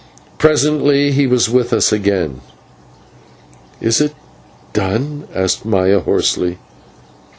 Presently he was with us again. "Is it done?" asked Maya hoarsely.